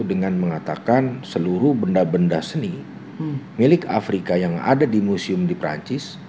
dengan mengatakan seluruh benda benda seni milik afrika yang ada di museum di perancis